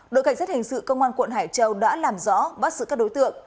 đội cảnh sát hình sự công an quận hải châu đã làm rõ bắt giữ các đối tượng